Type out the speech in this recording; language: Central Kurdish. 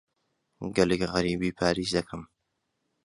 گەلێک غەریبی پاریس دەکەم.